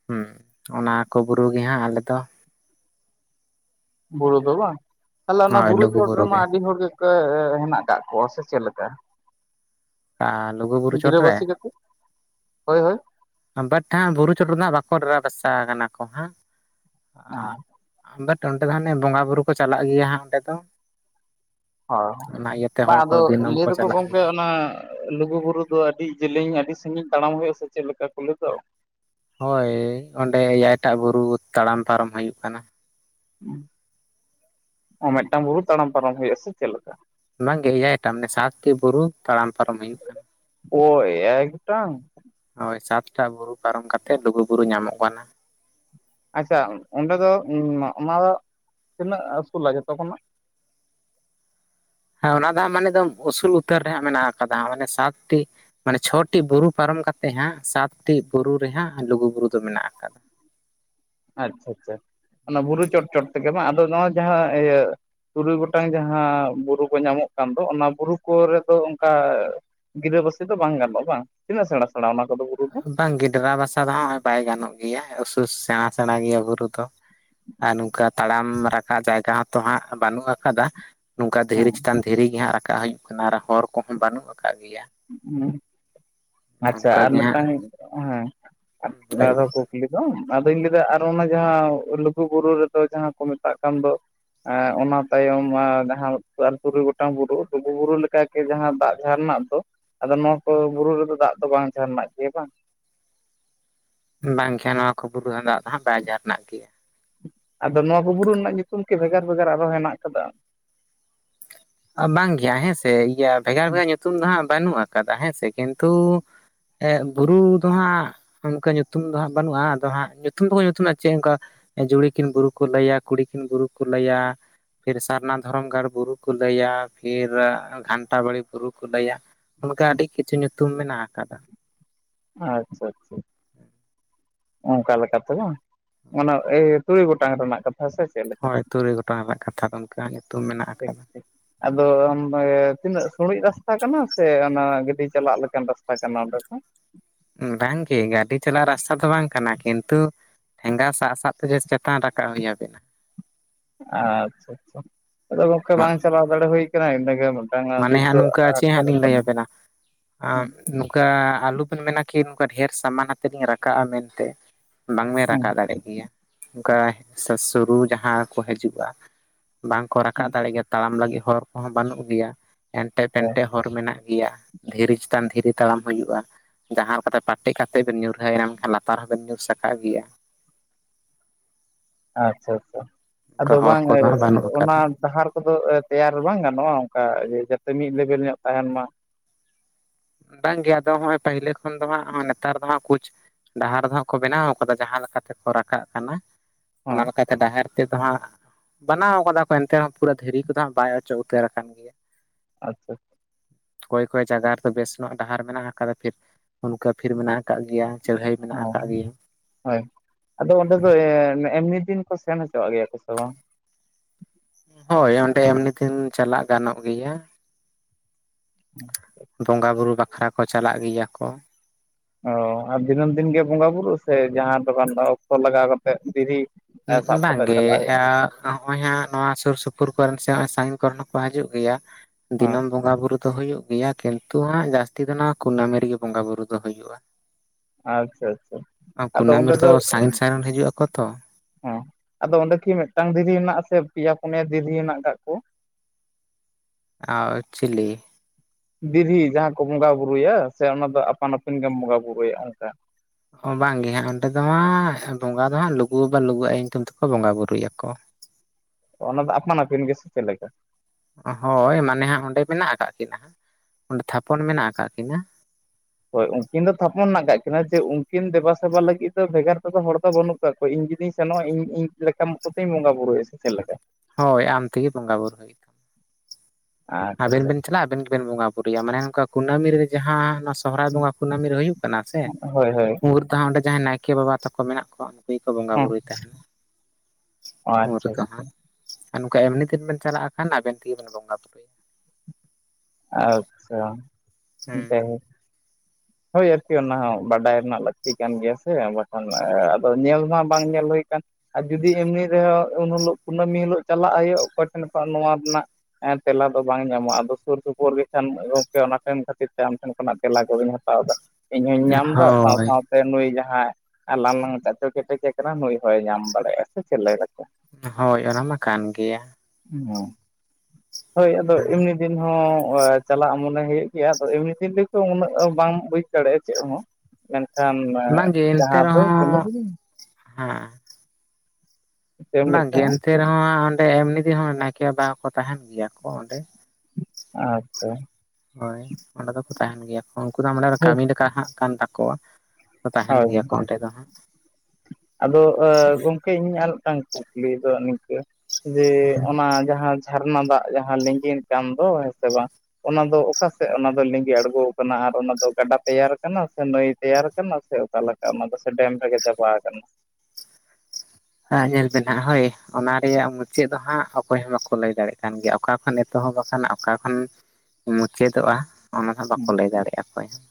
Speaker 2: ᱦᱩᱸ, ᱚᱱᱟᱠᱚ ᱵᱩᱨᱩ ᱜᱮ ᱦᱟᱸᱟᱜ ᱟᱞᱮ ᱫᱚ
Speaker 1: ᱵᱩᱨᱩ ᱫᱚ ᱵᱟᱝ? ᱛᱟᱦᱚᱞᱮ ᱚᱱᱟ ᱵᱩᱨᱩ ᱪᱳᱴ ᱨᱮ ᱢᱟ ᱟᱹᱰᱤ ᱦᱚᱲ ᱜᱮ ᱠᱮᱻ ᱦᱮᱱᱟᱜ ᱟᱠᱟᱜ ᱠᱚᱣᱟ ᱥᱮ ᱪᱮᱫ ᱞᱮᱠᱟ?
Speaker 2: ᱟᱨ ᱞᱩᱜᱩ ᱵᱩᱨᱩ
Speaker 1: ᱜᱤᱨᱟᱹ
Speaker 2: ᱪᱚᱴᱨᱮ
Speaker 1: ᱵᱟᱥᱤ ᱠᱟᱛᱮ ᱾ ᱦᱳᱭ ᱦᱳᱭ!
Speaker 2: ᱵᱟᱴ ᱦᱟᱸᱜ ᱵᱩᱨᱩ ᱪᱚᱴ ᱨᱮᱫᱚ ᱦᱟᱸᱜ ᱵᱟᱠᱚ ᱰᱮᱨᱟ ᱵᱟᱥᱥᱟ ᱠᱟᱱᱟ ᱠᱚ ᱦᱟᱸᱜ ᱾ ᱟᱻ ᱵᱟᱴ ᱚᱸᱰᱮ ᱫᱚ ᱦᱟᱱᱮ ᱵᱚᱸᱜᱟ ᱵᱩᱨᱩ ᱠᱚ ᱪᱟᱞᱟᱜ ᱜᱮᱭᱟ ᱦᱟᱸᱜ ᱚᱸᱰᱮ ᱫᱚ ᱾
Speaker 1: ᱦᱳᱭ,
Speaker 2: ᱦᱚᱲ
Speaker 1: ᱵᱟᱝ
Speaker 2: ᱠᱚ
Speaker 1: ᱟᱫᱚ
Speaker 2: ᱫᱤᱱᱟᱹᱢ
Speaker 1: ᱞᱟᱹᱭ
Speaker 2: ᱠᱚ
Speaker 1: ᱫᱚᱠᱚ
Speaker 2: ᱪᱟᱞᱟᱜ
Speaker 1: ᱜᱚᱢᱠᱮ
Speaker 2: ᱜᱮᱭᱟ
Speaker 1: ᱚᱱᱟ ᱞᱩᱜᱩ ᱵᱩᱨᱩ ᱫᱚ ᱟᱹᱰᱤ ᱡᱮᱞᱮᱧ ᱟᱹᱰᱤ ᱥᱟᱺᱜᱤᱧ ᱛᱟᱲᱟᱢ ᱦᱩᱭᱩᱜᱼᱟ ᱥᱮ ᱪᱮᱫ ᱞᱮᱠᱟ ᱞᱚ ᱞᱮᱭ ᱫᱚ?
Speaker 2: ᱦᱳᱭ, ᱚᱸᱰᱮ ᱮᱭᱟᱭᱴᱟᱜ ᱵᱩᱨᱩ ᱛᱟᱲᱟᱢ ᱯᱟᱨᱚᱢ ᱦᱩᱭᱩᱜ ᱠᱟᱱᱟ ᱾
Speaker 1: ᱚ ᱢᱤᱫᱴᱟᱝ ᱵᱩᱨᱩ ᱛᱟᱲᱟᱢ ᱯᱟᱨᱚᱢ ᱦᱩᱭᱩᱜᱼᱟ ᱥᱮ ᱪᱮᱫᱞᱮᱠᱟ?
Speaker 2: ᱵᱟᱝᱜᱮ ᱮᱭᱟᱭ ᱴᱟᱜ ᱢᱟᱱᱮ ᱥᱟᱛᱴᱤ ᱵᱩᱨᱩ ᱛᱟᱲᱟᱢ ᱯᱟᱨᱚᱢ ᱦᱩᱭᱩᱜ ᱠᱷᱟᱱ ᱾
Speaker 1: ᱳ ᱮᱭᱟᱭ ᱜᱚᱴᱟᱝ
Speaker 2: ᱦᱳᱭ ᱥᱟᱛᱴᱟ ᱵᱩᱨᱩ ᱯᱟᱨᱚᱢ ᱠᱟᱛᱮᱜ ᱞᱩᱜᱩ ᱵᱩᱨᱩ ᱧᱟᱢᱚᱜ ᱠᱟᱱᱟ ᱾
Speaker 1: ᱟᱪᱪᱷᱟ ᱚᱸᱰᱮ ᱫᱚ ᱩᱸ ᱚᱱᱟ ᱫᱚ ᱛᱤᱱᱟᱹᱜ ᱟᱹᱥᱩᱞᱟ ᱡᱚᱛᱚ ᱠᱷᱚᱱᱟᱜ?
Speaker 2: ᱦᱮᱸ ᱚᱱᱟ ᱫᱚ ᱦᱟᱸᱜ ᱢᱟᱱᱮ ᱫᱚᱢ ᱩᱥᱩᱞ ᱩᱛᱟᱹᱨ ᱨᱮ ᱦᱟᱸᱜ ᱢᱮᱱᱟᱜ ᱟᱠᱟᱫᱟ ᱢᱟᱱᱮ ᱥᱟᱛᱴᱤ ᱢᱟᱱᱮ ᱪᱷᱚᱴᱤ ᱵᱩᱨᱩ ᱯᱟᱨᱚᱢ ᱠᱟᱛᱮᱜ ᱦᱟᱸᱜ ᱥᱟᱛ ᱴᱤ ᱵᱩᱨᱩ ᱨᱮ ᱦᱟᱸᱜ ᱞᱩᱜᱩ ᱵᱩᱨᱩ ᱫᱚ ᱢᱮᱱᱟᱜ ᱟᱠᱟᱫᱟ ᱾
Speaker 1: ᱟᱪᱪᱷᱟ ᱟᱪᱪᱷᱟ, ᱚᱱᱟ
Speaker 2: ᱦᱩᱸ
Speaker 1: ᱵᱩᱨᱩ ᱪᱚᱴ ᱪᱚᱴ ᱛᱮᱜᱮ ᱵᱟ ᱟᱫᱚ ᱱᱚᱣᱟ ᱡᱟᱦᱟᱸ ᱤᱭᱟᱹ ᱛᱩᱨᱩᱭ ᱜᱚᱴᱟᱝ ᱡᱟᱦᱟᱸ ᱵᱩᱨᱩ ᱠᱚ ᱧᱟᱢᱚᱜ ᱠᱟᱱ ᱫᱚ ᱚᱱᱟ ᱵᱩᱨᱩ ᱠᱚᱨᱮ ᱫᱚ ᱚᱝᱠᱟ ᱜᱤᱨᱟᱹ ᱵᱟᱹᱥᱤ ᱫᱚ ᱵᱟᱝ ᱜᱟᱱᱚᱜᱼᱟ ᱵᱟᱝ? ᱛᱤᱱᱟᱹᱜ ᱥᱮᱬᱟ ᱥᱮᱬᱟ ᱚᱱᱟ ᱠᱚᱫᱚ ᱵᱩᱨᱩ ᱫᱚ‌?
Speaker 2: ᱵᱟᱝᱜᱤ ᱰᱮᱨᱟ ᱵᱟᱥᱟ ᱫᱚ ᱦᱚᱸᱜ ᱼᱚᱭ ᱵᱟᱭ ᱜᱟᱱᱚᱜ ᱜᱮᱭᱟ ᱩᱥᱩᱥ ᱥᱮᱬᱟ ᱥᱮᱬᱟ ᱜᱮᱭᱟ ᱵᱩᱨᱩ ᱫᱚ ᱾ ᱟᱨ ᱱᱚᱝᱠᱟ ᱛᱟᱲᱟᱢ ᱨᱟᱠᱟᱵ ᱡᱟᱭᱜᱟ ᱦᱚᱸᱛᱚ ᱦᱟᱸᱜ ᱵᱟᱹᱱᱩᱜ ᱟᱠᱟᱫᱟ ᱾ ᱱᱚᱝᱠᱟ ᱫᱷᱤᱨᱤ ᱪᱮᱛᱟᱱ ᱫᱷᱤᱨᱤ ᱜᱮ ᱦᱟᱸᱜ ᱨᱟᱠᱟᱜ ᱦᱩᱭᱩᱜ ᱠᱟᱱᱟ ᱟᱨ ᱦᱚᱨ ᱠᱚᱦᱚᱸ ᱵᱟᱹᱱᱩᱜ ᱟᱠᱟᱫ ᱜᱮᱭᱟ ᱾
Speaker 1: ᱟᱪᱪᱷᱟ ᱟᱨ
Speaker 2: ᱜᱮ ᱦᱟᱸᱜ
Speaker 1: ᱢᱤᱫᱴᱟᱝ ᱦᱮᱸ, ᱟᱨᱚ
Speaker 2: ᱞᱟᱹᱭ
Speaker 1: ᱠᱩᱠ ᱞᱤ ᱫᱚ ᱟᱫᱚᱧ ᱞᱟᱹᱭᱫᱟ ᱟᱨᱚ ᱚᱱᱟ ᱡᱟᱦᱟᱸ ᱞᱩᱜᱩᱼᱵᱩᱨᱩ ᱨᱮᱫᱚ ᱡᱟᱦᱟᱸ ᱠᱚ ᱢᱮᱛᱟᱜ ᱠᱟᱱ ᱫᱚ‌ ᱮᱸᱜ ᱚᱱᱟ ᱛᱟᱭᱚᱢ ᱟᱸ ᱡᱟᱦᱟᱸᱞ ᱟᱨ ᱛᱩᱨᱩᱭ ᱜᱚᱴᱟᱝ ᱵᱩᱨᱩ ᱞᱩᱜᱩ ᱵᱩᱨᱩ ᱞᱮᱠᱟᱜᱮ ᱡᱟᱦᱟᱸ ᱫᱟᱜ ᱡᱷᱟᱨ ᱨᱮᱱᱟᱜ ᱫᱚ, ᱟᱫᱚ ᱱᱚᱣᱟ ᱠᱚ ᱵᱩᱨᱩ ᱨᱮᱫᱚ ᱫᱟᱜ ᱫᱚ ᱵᱟᱝ ᱡᱷᱟᱨᱱᱟ ᱜᱮᱭᱟ ᱵᱟᱝ?
Speaker 2: ᱵᱟᱝ ᱠᱷᱮ ᱱᱚᱣᱟ ᱠᱚ ᱵᱩᱨᱩ ᱦᱚᱸ ᱫᱟᱜ ᱫᱚ ᱦᱟᱸᱜ ᱵᱟᱭ ᱡᱷᱟᱨᱱᱟ ᱜᱮᱭᱟ ᱾
Speaker 1: ᱟᱫᱚ ᱱᱚᱣᱟ ᱠᱚ ᱵᱩᱨᱩ ᱨᱮᱱᱟᱜ ᱧᱩᱛᱩᱢ ᱠᱤ ᱵᱷᱮᱜᱟᱨ ᱵᱷᱮᱜᱟᱨ ᱟᱨᱦᱚᱸ ᱦᱮᱱᱟᱜ ᱟᱠᱟᱫᱟ?
Speaker 2: ᱚ ᱵᱟᱝ ᱜᱮᱭᱟ ᱦᱮᱸᱥᱮ ᱤᱭᱟᱹ ᱵᱷᱮᱜᱟᱨ ᱵᱷᱮᱜᱟᱨ ᱧᱩᱛᱩᱢ ᱫᱚ ᱦᱟᱸᱜ ᱵᱟᱹᱱᱩᱜ ᱟᱠᱟᱫᱟ ᱦᱮᱸᱥᱮ, ᱠᱤᱱᱛᱩ ᱮᱸᱜ ᱵᱩᱨᱩ ᱫᱚ ᱦᱟᱸᱜ ᱚᱱᱠᱟ ᱧᱩᱛᱩᱢ ᱫᱚ ᱦᱟᱸᱜ ᱵᱟᱹᱱᱩᱜᱼᱟ, ᱟᱫᱚ ᱦᱟᱸᱜ ᱧᱩᱛᱩᱢ ᱫᱚᱠᱚ ᱧᱩᱛᱩᱢ ᱞᱮᱜᱼᱟ ᱪᱮᱜ ᱚᱝᱠᱟ ᱡᱩᱲᱤᱠᱤᱱ ᱵᱩᱨᱩ ᱠᱚ ᱞᱟᱹᱭᱟ, ᱠᱩᱲᱤᱠᱤᱱ ᱵᱩᱨᱩ ᱠᱚ ᱞᱟᱹᱭᱟ ᱯᱷᱤᱨ ᱥᱟᱨᱱᱟ ᱫᱷᱚᱨᱚᱢ ᱜᱟᱲ ᱵᱩᱨᱩ ᱠᱚ ᱞᱟᱹᱭᱟ ᱯᱷᱤᱨ ᱜᱷᱟᱱᱴᱟ ᱵᱟᱲᱮ ᱵᱩᱨᱩ ᱠᱚ ᱞᱟᱹᱭᱟ, ᱚᱱᱠᱟ ᱟᱹᱰᱤ ᱠᱤᱪᱷᱩ ᱧᱩ ᱛᱩᱢ ᱢᱮᱱᱟᱜ ᱟᱠᱟᱫᱟ ᱾
Speaker 1: ᱟᱪᱪᱷᱟ ᱟᱪᱪᱷᱟ ᱾
Speaker 2: [unintelligible]
Speaker 1: ᱚᱝᱠᱟ ᱞᱮᱠᱟᱛᱮ ᱵᱟᱝ, ᱚᱱᱟᱮ ᱮ ᱛᱩᱨᱩᱭ ᱜᱚᱴᱟᱝ ᱨᱮᱱᱟᱜ ᱠᱟᱛᱷᱟ ᱥᱮ? ᱪᱮᱫ ᱞᱮᱠᱟ
Speaker 2: ᱦᱳᱭ, ᱛᱩᱨᱩᱭ ᱜᱚᱴᱚᱱ ᱨᱮᱱᱟᱜ ᱠᱟᱛᱷᱟ ᱫᱚ ᱚᱝᱠᱟ ᱧᱩᱛᱩᱢ ᱢᱮᱱᱟᱜ
Speaker 1: ᱴᱷᱤᱠ
Speaker 2: ᱟᱠᱟᱫᱟ ᱾
Speaker 1: ᱴᱷᱤᱠ ᱟᱫᱚ [unintelligible] ᱛᱤᱱᱟᱹᱜ ᱥᱲᱩᱡ ᱨᱟᱥᱛᱟ ᱠᱟᱱᱟ ᱥᱮ ᱚᱱᱟ ᱜᱟᱹᱰᱤ ᱪᱟᱞᱟᱜ ᱞᱮᱠᱟᱱ ᱨᱟᱥᱛᱟ ᱠᱟᱱᱟ ᱚᱸᱰᱮ ᱫᱚ?
Speaker 2: ᱵᱟᱝᱜᱮ ᱜᱟᱹᱰᱤ ᱪᱟᱞᱟᱜ ᱨᱟᱥᱛᱟ ᱫᱚ ᱵᱟᱝ ᱠᱟᱱᱟ, ᱠᱤᱱᱛᱩ ᱴᱷᱮᱸᱜᱟ ᱥᱟᱵ ᱥᱟᱵ ᱛᱮᱜᱮ ᱪᱮᱛᱟᱱ ᱨᱟᱠᱟᱵ ᱦᱩᱭ ᱟᱵᱤᱱᱟ ᱾
Speaker 1: ᱟᱪᱪᱷᱟ ᱟᱪᱪᱷᱟ, ᱟᱫᱚ ᱜᱚᱝᱠᱮ ᱵᱟᱝ ᱪᱟᱞᱟᱣ ᱫᱟᱲᱮ ᱦᱩᱭ ᱠᱟᱱᱟ ᱤᱱᱟᱹᱜᱮ ᱢᱤᱫ
Speaker 2: ᱢᱟᱱᱮ ᱦᱟᱸᱜ ᱱᱚᱝᱠᱟ ᱪᱮᱸ ᱦᱟᱸᱜ ᱞᱤᱧ ᱞᱟᱹᱭᱟᱵᱮᱱᱟ?
Speaker 1: ᱦᱮᱸ
Speaker 2: [inaudible] ᱱᱚᱝᱠᱟ ᱟᱞᱚᱵᱮᱱ ᱢᱮᱱᱟ ᱠᱤ ᱱᱚᱝᱠᱟ ᱰᱷᱮᱨ ᱥᱟᱢᱟᱱ ᱟᱛᱮᱫ ᱞᱤᱧ ᱨᱟᱠᱟᱵᱼᱟ ᱢᱮᱱᱛᱮ ᱾ ᱵᱟᱝᱢᱮ
Speaker 1: ᱦᱮᱸ
Speaker 2: ᱨᱟᱠᱟᱵ ᱫᱟᱲᱮᱜ ᱜᱮᱭᱟ ᱚᱱᱠᱟ ᱥᱩᱨᱩ ᱡᱟᱦᱟᱸ ᱠᱚ ᱦᱤᱡᱩᱜᱼᱟ ᱾ ᱵᱟᱝᱠᱚ ᱨᱟᱠᱟᱜ
Speaker 1: ᱦᱮᱸ
Speaker 2: ᱫᱟᱲᱮᱜ ᱜᱮᱭᱟ ᱛᱟᱲᱟᱢ ᱞᱟᱹᱜᱤᱫ ᱦᱚᱨ ᱠᱚᱦᱚᱸ ᱵᱟᱹᱱᱩᱜ ᱜᱮᱭᱟ
Speaker 1: ᱦᱳᱭ
Speaker 2: ᱮᱱᱴᱮᱯᱮᱱᱴᱮ ᱾ ᱦᱚᱨ ᱢᱮᱱᱟᱜ ᱜᱮᱭᱟ ᱫᱷᱤᱨᱤ ᱪᱮᱛᱟᱱ ᱫᱷᱤᱨᱤ ᱛᱟᱲᱟᱢ ᱦᱩᱭᱩᱜᱼᱟ ᱾ ᱡᱟᱦᱟᱸ ᱞᱮᱠᱟᱛᱮ ᱯᱟᱴᱮᱡ ᱠᱟᱛᱮ ᱵᱮᱱ ᱧᱩᱨᱦᱟᱹᱭᱱᱟ ᱢᱮᱱᱠᱷᱟᱱ ᱞᱟᱛᱟᱨ ᱦᱚᱸᱵᱤᱱ ᱧᱩᱨ ᱥᱟᱠᱟᱵ ᱜᱮᱭᱟ ᱾
Speaker 1: ᱟᱪᱪᱷᱟ ᱟᱪᱪᱷᱟ
Speaker 2: ᱚᱱᱠᱟ
Speaker 1: ᱟᱫᱚ
Speaker 2: ᱦᱚᱨ
Speaker 1: ᱵᱟᱝ
Speaker 2: ᱠᱚᱫᱚ ᱦᱟᱸᱜ ᱵᱟᱹᱱᱩᱜ
Speaker 1: ᱚᱱᱟ
Speaker 2: ᱟᱠᱟᱫᱟ
Speaker 1: ᱰᱟᱦᱟᱨ ᱠᱚᱫᱚ ᱛᱮᱭᱟᱨ ᱵᱟᱝ ᱜᱟᱱᱚᱜᱼᱟ? ᱚᱱᱠᱟ ᱡᱟᱛᱮ ᱢᱤᱫ ᱞᱮᱵᱮᱞ ᱧᱚᱜ ᱛᱟᱦᱮᱱ ᱢᱟ ᱾
Speaker 2: ᱵᱟᱝ ᱜᱮᱭᱟ ᱟᱫᱚ ᱦᱚᱜᱼᱚᱭ ᱯᱟᱹᱭᱞᱟᱹ ᱠᱷᱚᱱ ᱫᱚ ᱦᱟᱸᱜ ᱱᱮᱛᱟᱨ ᱫᱚ ᱦᱟᱜ ᱠᱩᱪ ᱰᱟᱦᱟᱨ ᱫᱚ ᱦᱟᱸᱜ ᱠᱚ ᱵᱮᱱᱟᱣᱟ ᱠᱟᱫᱟ ᱡᱟᱦᱟᱸ ᱞᱮᱠᱟ ᱛᱮᱠᱚ ᱨᱟᱠᱟᱵ ᱠᱟᱱᱟ ᱚᱱᱟ
Speaker 1: ᱦᱚᱸ
Speaker 2: ᱞᱮᱠᱟᱛᱮ ᱰᱟᱦᱟᱨ ᱛᱮᱫᱚ ᱦᱟᱸᱜ ᱵᱟᱱᱟᱣ ᱠᱟᱫᱟ ᱠᱚ ᱮᱱᱛᱮ ᱨᱮᱦᱚᱸ ᱯᱩᱨᱟᱹ ᱫᱷᱤᱨᱤ ᱠᱚᱫᱚ ᱦᱟᱸᱜ ᱵᱟᱭ ᱚᱪᱚᱜ ᱩᱛᱟᱹᱨ ᱟᱠᱟᱱ ᱜᱮᱭᱟ ᱾
Speaker 1: ᱟᱪᱪᱷᱟ,
Speaker 2: ᱠᱚᱭ ᱠᱚᱭ ᱡᱟᱭᱜᱟ ᱨᱮᱫᱚ ᱵᱮᱥ ᱧᱚᱜ ᱰᱟᱦᱟᱨ ᱢᱮᱱᱟᱜ ᱟᱠᱟᱫᱟ ᱯᱷᱤᱨ ᱚᱱᱠᱟ ᱯᱷᱤᱨ ᱢᱮᱱᱟᱠ ᱠᱟᱜ ᱜᱮᱭᱟ ᱪᱟᱨᱦᱟᱹᱭ ᱾
Speaker 1: ᱚ ᱦᱳᱭ ᱟᱫᱚ ᱚᱸᱰᱮ ᱫᱚ ᱮᱢᱱᱤ ᱫᱤᱱ ᱠᱚ ᱥᱮᱱ ᱦᱚᱪᱚᱣᱟᱜ ᱜᱮᱭᱟ ᱠᱚ ᱥᱮ ᱵᱟᱝ?
Speaker 2: ᱦᱳᱭ ᱚᱸᱰᱮ ᱮᱢᱱᱤ ᱫᱤᱱ ᱪᱟᱞᱟᱜ ᱜᱟᱱᱚᱜ ᱜᱮᱭᱟ ᱾
Speaker 1: ᱦᱩᱸ,
Speaker 2: ᱵᱚᱸᱜᱟ ᱵᱩᱨᱩ ᱵᱟᱠᱷᱨᱟ ᱠᱚ ᱪᱟᱞᱟᱜ ᱜᱮᱭᱟ ᱠᱚ ᱾
Speaker 1: ᱚ ᱟᱨ ᱫᱤᱱᱟᱹᱢ ᱫᱤᱱᱜᱮ ᱵᱚᱸᱜᱟ ᱵᱩᱨᱩ ᱥᱮ ᱡᱟᱦᱟᱸ ᱵᱚᱱᱫᱚᱠ ᱠᱚ ᱞᱟᱜᱟᱣ ᱠᱟᱛᱮ ᱫᱤᱨᱦᱤ
Speaker 2: [inaudible] ᱵᱟᱝᱜᱮ [inaudible] ᱦᱚᱜᱼᱚᱭ ᱦᱟᱸᱜ ᱱᱚᱣᱟ ᱥᱩᱨ ᱥᱩᱯᱩᱨ ᱠᱚᱨᱮᱱ ᱥᱮ ᱚᱭ ᱥᱟᱺᱜᱤᱧ ᱠᱚᱨᱮ ᱦᱚᱸᱠᱚ ᱦᱟᱡᱩᱜ ᱜᱮᱭᱟ
Speaker 1: ᱦᱩᱭᱩᱜᱼᱟ ᱦᱮᱸ
Speaker 2: ᱫᱤᱱᱟᱹᱢ ᱵᱚᱸᱜᱟ ᱵᱩᱨᱩ ᱛᱚ ᱦᱩᱭᱩᱜ ᱜᱮᱭᱟ ᱠᱤᱱᱛᱩ ᱦᱟᱸᱜ ᱡᱟᱹᱥᱛᱤ ᱫᱚ ᱱᱚᱣᱟ ᱠᱩᱱᱟᱹᱢᱤ ᱨᱮᱜᱮ ᱵᱚᱸᱜᱟ ᱵᱩᱨᱩ ᱫᱚ ᱦᱩᱭᱩᱜᱼᱟ ᱾
Speaker 1: ᱟᱪᱪᱷᱟ ᱟᱪᱪᱷᱟ ᱾
Speaker 2: ᱠᱩᱱᱟᱹᱢᱤ ᱨᱮᱫᱚ ᱥᱟᱭᱤᱱ ᱥᱟᱭᱮᱱ ᱦᱤᱡᱩᱜᱼᱟᱠᱚ ᱛᱚ ᱾
Speaker 1: ᱦᱮᱸ ᱟᱫᱚ ᱚᱸᱰᱮ ᱠᱤ ᱢᱤᱫᱴᱟᱝ ᱫᱷᱤᱨᱤ ᱦᱮᱱᱟᱜ ᱟ ᱥᱮ ᱯᱮᱭᱟ ᱯᱩᱱᱭᱟ ᱫᱷᱤᱨᱤ ᱦᱮᱱᱟᱜ ᱠᱟᱜ ᱠᱚᱣᱟ?
Speaker 2: ᱟ ᱚ ᱪᱤᱞᱤ?
Speaker 1: ᱫᱷᱤᱨᱦᱤ ᱡᱟᱦᱟᱸ ᱠᱚ ᱵᱚᱸᱜᱟ ᱵᱩᱨᱩᱭᱟ ᱥᱮ ᱚᱱᱟ ᱫᱚ ᱟᱯᱟᱱ ᱟᱹᱯᱤᱱ ᱜᱮᱢ ᱵᱚᱸᱜᱟ ᱵᱩᱨᱩᱭᱟ ᱚᱱᱠᱟ ᱾
Speaker 2: ᱚ ᱵᱟᱝᱜᱮ ᱦᱟᱸᱜ ᱚᱸᱰᱮ ᱫᱚ ᱦᱟᱸᱜ ᱵᱚᱸᱜᱟ ᱫᱚ ᱦᱟᱸᱜ ᱞᱩᱜᱩᱵᱟᱵᱟ ᱞᱩᱜ ᱟᱭᱳ ᱧᱩᱛᱩᱢ ᱛᱮᱠᱚ ᱵᱚᱸᱜᱟ ᱵᱩᱨᱩᱭᱟᱠᱚ ᱾
Speaker 1: ᱚᱱᱟ ᱫᱚ ᱟᱯᱟᱱ ᱟᱹᱯᱤᱱ ᱜᱮ ᱥᱮ ᱪᱮᱫ ᱞᱮᱠᱟ?
Speaker 2: ᱦᱳᱭ ᱢᱟᱱᱮ ᱦᱟᱸᱜ ᱚᱸᱰᱮ ᱢᱮᱱᱟᱜ ᱟᱠᱟᱜ ᱠᱤᱱᱟᱹ ᱚᱸᱰᱮ ᱛᱷᱟᱯᱚᱱ ᱢᱮᱱᱟᱜ ᱠᱟᱜ ᱠᱤᱱᱟ ᱾
Speaker 1: ᱦᱳᱭ ᱩᱱᱠᱤᱱ ᱫᱚ ᱛᱷᱟᱯᱚᱱ ᱱᱟᱜ ᱠᱟᱜ ᱠᱤᱱᱟ ᱡᱮ ᱩᱱᱠᱤᱱ ᱫᱮᱵᱟ ᱥᱮᱵᱟ ᱞᱟᱹᱜᱤᱫ ᱫᱚ ᱵᱷᱮᱜᱟᱨ ᱛᱮᱫᱚ ᱦᱚᱲ ᱫᱚ ᱵᱟᱹᱱᱩᱜ? [inaudible] ᱤᱧ ᱡᱩᱫᱤᱧ ᱥᱮᱱᱚᱜᱼᱟ ᱤᱧ ᱤᱧ ᱞᱮᱠᱟᱢ ᱠᱚᱛᱮᱧ ᱵᱚᱸᱜᱟ ᱵᱩᱨᱩᱭᱟ ᱥᱮ ᱪᱮᱫᱞᱮᱠᱟ?
Speaker 2: ᱦᱳᱭ ᱟᱢ ᱛᱮᱜᱮ ᱵᱚᱸᱜᱟ ᱵᱩᱨᱩ ᱦᱩᱭᱩᱜ
Speaker 1: ᱟᱪᱪᱷᱟ
Speaker 2: ᱟᱵᱮᱱ
Speaker 1: ᱟᱪᱪᱷᱟ
Speaker 2: ᱵᱮᱱ ᱪᱟᱞᱟᱜᱼᱟ ᱟᱵᱮᱱ ᱜᱮᱵᱮᱱ ᱵᱚᱸᱜᱟ ᱵᱩᱨᱩᱭᱟ ᱢᱟᱱᱮ ᱱᱚᱝᱠᱟ ᱠᱩᱱᱟᱹᱢᱤ ᱨᱮ ᱡᱟᱦᱟᱸ ᱱᱚᱣᱟ ᱥᱚᱦᱚᱨᱟᱭ ᱵᱚᱸᱜᱟ ᱠᱩᱱᱟᱹᱢᱤ ᱨᱮ ᱦᱩᱭᱩᱜ ᱠᱟᱱᱟ ᱥᱮ?
Speaker 1: ᱦᱳᱭ ᱦᱳᱭ,
Speaker 2: ᱢᱩᱨᱫᱟᱦᱟᱸ ᱚᱸᱰᱮ ᱡᱟᱦᱟᱸᱭ ᱱᱟᱭᱠᱮ ᱵᱟᱵᱟ ᱛᱟᱠᱚ ᱢᱮᱱᱟᱜ ᱠᱚᱣᱟ ᱾ [inaudible] ᱠᱚ ᱵᱚᱸᱜᱟ
Speaker 1: ᱦᱮᱸ
Speaker 2: ᱵᱩᱨᱩᱭ ᱛᱟᱦᱮᱱ ᱩᱱ ᱨᱮᱫᱚ
Speaker 1: ᱟᱪᱪᱷᱟ
Speaker 2: ᱦᱚᱸᱜ ᱾ ᱟᱨ ᱱᱚᱝᱠᱟ ᱮᱢᱱᱤ ᱫᱤᱱ ᱵᱮᱱ ᱪᱟᱞᱟᱜᱼᱟ ᱠᱷᱟᱱ ᱟᱵᱮᱱ ᱛᱮᱜᱮᱵᱮᱱ ᱵᱚᱸᱜᱟ ᱵᱩᱨᱩᱭᱟ ᱾
Speaker 1: ᱟᱪᱪᱷᱟ
Speaker 2: ᱦᱮᱸ
Speaker 1: ᱱᱚᱝᱠᱟᱜᱮ ᱾ ᱦᱳᱭ ᱟᱨᱠᱤ ᱚᱱᱟ ᱦᱚᱸ ᱵᱟᱰᱟᱭ ᱨᱮᱱᱟᱜ ᱞᱟᱹᱠᱛᱤ ᱠᱟᱱ ᱜᱮᱭᱟ ᱥᱮ ᱵᱟᱠᱷᱟᱱ ᱟᱫᱚ ᱧᱮᱞ ᱢᱟ ᱵᱟᱝ ᱧᱮᱞ ᱦᱩᱭ ᱠᱟᱱ ᱾ ᱟᱨ ᱡᱩᱫᱤ ᱮᱢᱱᱤ ᱨᱮᱦᱚᱸ ᱩᱱ ᱦᱤᱞᱳᱜ ᱠᱩᱱᱟᱹᱢᱤ ᱦᱤᱞᱳᱜ ᱪᱟᱞᱟᱜ ᱦᱩᱭᱩᱜᱼᱟ ᱚᱠᱚᱭ ᱴᱷᱮᱱ ᱠᱷᱚᱱ ᱯᱟᱱ ᱱᱚᱣᱟ ᱨᱮᱱᱟᱜ ᱦᱮᱸ ᱛᱮᱞᱟ ᱫᱚ ᱵᱟᱝ ᱧᱟᱢᱚᱜᱼᱟ ᱟᱫᱚ ᱥᱩᱨ ᱥᱩᱯ ᱯᱳᱨ ᱜᱮ ᱠᱷᱟᱱ ᱜᱚᱝᱠᱮ ᱚᱱᱟ ᱴᱷᱮᱱ ᱠᱷᱟᱹᱛᱤᱨ ᱛᱮ ᱟᱢ ᱴᱷᱮᱱ ᱠᱷᱚᱱᱟᱜ ᱛᱮᱞᱟ ᱠᱚᱞᱤᱧ ᱦᱟᱛᱟᱣ ᱫᱟ ᱾ ᱤᱧᱦᱚᱧ ᱧᱟᱢ ᱫᱟ ᱥᱟᱶ ᱥᱟᱶ
Speaker 2: ᱦᱳᱭ
Speaker 1: ᱥᱮ ᱱᱩᱭ ᱡᱟᱦᱟᱸ ᱟᱞᱟᱝ ᱞᱟᱝ ᱪᱟᱪᱚ ᱠᱮᱴᱮᱡᱮ ᱠᱟᱱᱟ ᱱᱩᱭ ᱦᱚᱭ ᱧᱟᱢ ᱫᱟᱲᱮᱭᱟᱜᱼᱟ ᱥᱮ ᱪᱮᱞᱮ ᱞᱮᱠᱟ᱾
Speaker 2: ᱦᱳᱭ ᱚᱱᱟ ᱢᱟ ᱠᱟᱱ ᱜᱮᱭᱟ,
Speaker 1: [unintelligible] ᱦᱳᱭ ᱟᱫᱚ ᱫᱤᱱ ᱦᱚᱸ ᱪᱟᱞᱟᱜ ᱢᱚᱱᱮ ᱦᱩᱭᱩᱜ ᱜᱮᱭᱟ ᱟᱫᱚ ᱮᱢᱱᱤ ᱫᱤᱱ ᱨᱤᱠᱚ ᱩᱱᱟᱹᱜ ᱵᱟᱝ ᱵᱩᱡ ᱫᱟᱲᱮᱭᱟᱜᱼᱟ ᱪᱮᱫ ᱦᱚᱸ, ᱢᱮᱱᱠᱷᱟᱱ ᱡᱟᱦᱟᱸ ᱫᱚ [inaudible]
Speaker 2: ᱦᱟᱸ,
Speaker 1: ᱮᱢ ᱞᱮᱫ
Speaker 2: ᱵᱟᱝ ᱜᱮ
Speaker 1: ᱛᱟᱦᱮᱸᱜᱼᱟ
Speaker 2: ᱱᱛᱮ ᱨᱮᱦᱚᱸ ᱚᱸᱰᱮ ᱮᱢᱱᱤ ᱛᱤ ᱦᱚᱸ ᱱᱟᱭᱠᱮ ᱵᱟᱵᱟ ᱠᱚ ᱛᱟᱦᱮᱱ ᱜᱮᱭᱟ ᱠᱚ ᱚᱸᱰᱮ᱾
Speaker 1: ᱟᱪᱪᱷᱟ᱾
Speaker 2: ᱦᱳᱭ ᱚᱸᱰᱮ ᱫᱚᱠᱚ ᱛᱟᱦᱮᱱ ᱜᱮᱭᱟ ᱠᱚ ᱩᱱᱠᱩ ᱫᱚ ᱢᱟᱱᱮ ᱚᱸᱰᱮ
Speaker 1: ᱦᱳᱭ
Speaker 2: ᱠᱟᱹᱢᱤ ᱞᱮᱠᱟ ᱦᱟᱸᱜ ᱠᱟᱱ ᱛᱟᱠᱚᱣᱟ᱾ ᱛᱟᱦᱮᱱ
Speaker 1: ᱦᱳᱭ
Speaker 2: ᱜᱮᱭᱟ ᱠᱚ ᱚᱸᱰᱮ ᱫᱚ ᱦᱟᱸᱜ᱾
Speaker 1: ᱟᱫᱚ ᱟᱹ ᱜᱚᱝᱠᱮ ᱤᱧ ᱟᱨ ᱢᱤᱫᱴᱟᱝ ᱠᱩᱠᱞᱤ ᱫᱚ ᱱᱤᱝᱠᱟᱹ, ᱡᱮ
Speaker 2: ᱦᱮᱸ
Speaker 1: ᱚᱱᱟ ᱡᱟᱦᱟᱸ ᱡᱷᱟᱨᱱᱟ ᱫᱟᱜ ᱡᱟᱦᱟᱸ ᱞᱤᱸᱜᱤᱱ ᱠᱟᱱ ᱫᱚ ᱦᱮᱸ ᱥᱮ ᱵᱟᱝ? ᱚᱱᱟ ᱫᱚ ᱚᱠᱟ ᱥᱮᱫ ᱚᱱᱟ ᱫᱚ ᱞᱤᱸᱜᱤ ᱟᱬᱜᱳ ᱠᱟᱱᱟ ᱟᱨ ᱚᱱᱟ ᱫᱚ ᱜᱟᱰᱟ ᱛᱮᱭᱟᱨ ᱠᱟᱱᱟ ᱥᱮ ᱱᱟᱹᱭ ᱛᱮᱭᱟᱨ ᱠᱟᱱᱟ ᱥᱮ ᱚᱠᱟᱞᱮᱠᱟ ᱚᱱᱟ ᱫᱚ ᱥᱮ ᱰᱮᱢ ᱨᱮᱜᱮ ᱪᱟᱵᱟ ᱟᱠᱟᱱᱟ?
Speaker 2: ᱧᱮᱞ ᱵᱮᱱ ᱦᱟᱸᱜ ᱦᱳᱭ ᱚᱱᱟ ᱨᱮᱭᱟᱜ ᱢᱩᱪᱟᱹᱫ ᱫᱚ ᱦᱟᱸᱜ ᱚᱠᱚᱭ ᱦᱚᱸ ᱵᱟᱠᱚ ᱞᱟᱹᱭ ᱫᱟᱲᱮᱭᱟᱜ ᱠᱟᱱ ᱜᱮᱭᱟ ᱚᱠᱟ ᱠᱷᱚᱱ ᱮᱛᱚᱦᱚᱵ ᱟᱠᱟᱱᱟ ᱚᱠᱟ ᱠᱷᱚᱱ ᱢᱩᱪᱟᱹᱫᱚᱜᱼᱟ ᱚᱱᱟ ᱦᱚᱸ
Speaker 1: ᱦᱩᱸ
Speaker 2: ᱵᱟᱠᱚ ᱞᱟᱹᱭ ᱫᱟᱲᱮᱭᱟᱜᱼᱟ ᱚᱠᱚᱭ ᱦᱚᱸ᱾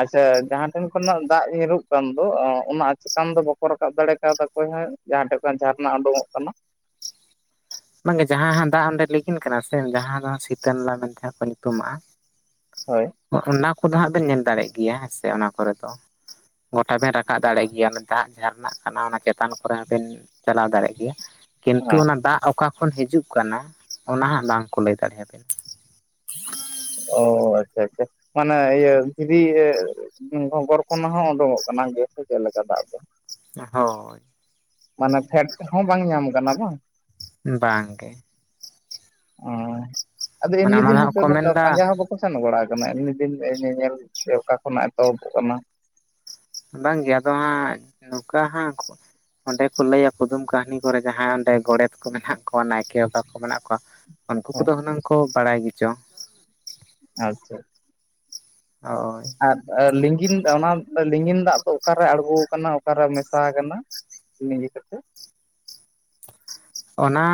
Speaker 1: ᱟᱪᱪᱷᱟ ᱡᱟᱦᱟᱸ ᱴᱷᱮᱱ ᱠᱷᱚᱱᱟᱜ ᱫᱟᱜ ᱧᱩᱨᱩᱜ ᱠᱟᱱ ᱫᱚ ᱚᱜ ᱚᱱᱟ ᱪᱮᱛᱟᱱ ᱫᱚ ᱵᱟᱠᱚ ᱨᱟᱠᱟᱵ ᱫᱟᱲᱮ ᱠᱟᱣᱫᱟ? ᱚᱠᱚᱭ ᱦᱮᱜ ᱡᱟᱦᱟᱸ ᱴᱷᱮᱱ ᱠᱷᱚᱱ ᱡᱷᱟᱨᱱᱟ ᱩᱰᱩᱝᱚᱜ ᱠᱟᱱᱟ,
Speaker 2: ᱵᱟᱝᱜᱮ ᱡᱟᱦᱟᱸ ᱦᱟᱜ ᱫᱟᱜ ᱚᱸᱰᱮ ᱞᱤᱜᱤᱱ ᱠᱟᱱᱟ ᱥᱮ ᱡᱟᱦᱟᱸ ᱫᱚ ᱥᱤᱛᱟᱹᱱᱟᱞᱟ ᱢᱮᱱᱛᱮ ᱠᱚ ᱧᱩᱛᱩᱢᱟᱜᱼᱟ᱾
Speaker 1: ᱦᱳᱭ,
Speaker 2: ᱚᱱᱟ ᱠᱚᱫᱚ ᱦᱟᱸᱜ ᱵᱮᱱ ᱧᱮᱞ ᱫᱟᱲᱮᱭᱟᱜ ᱜᱮᱭᱟ ᱦᱮᱸ ᱥᱮ ᱚᱱᱟ ᱠᱚᱨᱮ ᱫᱚ᱾ ᱜᱚᱴᱟ ᱵᱮᱱ ᱨᱟᱠᱟᱵ ᱫᱟᱲᱮ ᱜᱮᱭᱟ ᱚᱱᱮ ᱫᱟᱜ ᱡᱷᱟᱨᱱᱟ ᱠᱟᱱᱟ ᱚᱱᱟ ᱪᱮᱛᱟᱱ ᱠᱚᱨᱮ ᱦᱚᱸᱵᱤᱱ, ᱪᱟᱞᱟᱣ ᱫᱟᱲᱮᱜ ᱜᱮᱭᱟ᱾ ᱠᱤᱱᱛᱩ
Speaker 1: ᱦᱮᱸ
Speaker 2: ᱚᱱᱟ ᱫᱟᱜ ᱚᱠᱟ ᱠᱷᱚᱱ ᱦᱤᱡᱩᱜ ᱠᱟᱱᱟ ᱚᱱᱟ ᱦᱟᱸᱜ ᱵᱟᱝᱠᱚ ᱞᱟᱹᱭ ᱫᱟᱲᱮᱭᱟᱵᱮᱱ᱾
Speaker 1: ᱚ ᱟᱪᱪᱷᱟ ᱟᱪᱪᱷᱟ ᱢᱟᱱᱮ ᱤᱭᱟᱹ ᱫᱷᱤᱨᱤ ᱜᱚᱜᱚᱨ ᱠᱷᱚᱱᱟᱜ ᱦᱚᱸ ᱳᱰᱳᱝᱚᱜ ᱠᱟᱱᱟ ᱜᱮᱥᱮ ᱪᱮᱫ ᱞᱮᱠᱟ ᱫᱟᱜ ᱫᱚ?
Speaker 2: ᱱᱟᱦᱳᱭ,
Speaker 1: ᱢᱟᱱᱮ ᱯᱷᱮᱰ ᱦᱚᱸ ᱵᱟᱝ ᱧᱟᱢ ᱠᱟᱱᱟ ᱵᱟᱝ?
Speaker 2: ᱵᱟᱝ ᱜᱮ᱾
Speaker 1: ᱚᱸ ᱟᱫᱚ
Speaker 2: ᱢᱟᱱᱮ
Speaker 1: ᱮᱢᱱᱤ
Speaker 2: ᱚᱱᱟ ᱫᱚ
Speaker 1: ᱫᱤᱱ
Speaker 2: ᱦᱟᱸᱜ
Speaker 1: ᱦᱚᱭᱛᱳ
Speaker 2: ᱠᱚ
Speaker 1: ᱱᱚᱝᱠᱟ
Speaker 2: ᱢᱮᱱᱫᱟ
Speaker 1: ᱯᱟᱸᱡᱟ ᱦᱚᱸ ᱵᱟᱠ ᱠᱚ ᱥᱮᱱ ᱵᱟᱲᱟ ᱟᱠᱟᱱᱟ ᱮᱢᱱᱤ ᱫᱤᱱ ᱧᱮᱧᱮᱞ ᱡᱮ ᱚᱠᱟ ᱠᱷᱚᱱᱟᱜ ᱮᱛᱚᱦᱚᱵᱚᱜ ᱚᱱᱟ?
Speaker 2: ᱵᱟᱝᱜᱮ ᱟᱫᱚ ᱦᱟᱸᱜ ᱱᱚᱝᱠᱟ ᱦᱟᱸ, ᱚᱸᱰᱮ ᱠᱚ ᱞᱟᱹᱭᱟ ᱠᱩᱫᱩᱢ ᱠᱟᱹᱦᱱᱤ ᱠᱚᱨᱮ ᱡᱟᱦᱟᱸᱭ ᱚᱸᱰᱮ ᱜᱚᱰᱮᱛ ᱠᱚ ᱢᱮᱱᱟᱜ ᱠᱚᱣᱟ ᱱᱟᱭᱠᱮ ᱵᱟᱵᱟ ᱠᱚ ᱢᱮᱱᱟᱜ ᱠᱚᱣᱟ᱾ ᱩᱱᱠᱩ
Speaker 1: ᱦᱮᱸ
Speaker 2: ᱠᱚᱫᱚ ᱦᱩᱱᱟᱹᱝ ᱠᱚ ᱵᱟᱲᱟᱭ ᱜᱮᱪᱚ?
Speaker 1: ᱟᱪᱪᱷᱟ,
Speaker 2: ᱦᱚᱭ,
Speaker 1: ᱟᱨ ᱞᱤᱸᱜᱤᱱ ᱚᱱᱟ ᱞᱤᱸᱜᱤᱱ ᱫᱟᱜ ᱫᱚ ᱚᱠᱟᱨᱮ ᱟᱬᱜᱳ ᱟᱠᱟᱱᱟ ᱚᱠᱟᱨᱮ ᱢᱮᱥᱟ ᱠᱟᱱᱟ? ᱞᱤᱜᱤ ᱠᱟᱛᱮᱫ,
Speaker 2: ᱚᱱᱟ